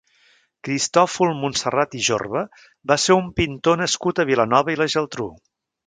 Cristòfol Montserrat i Jorba va ser un pintor nascut a Vilanova i la Geltrú.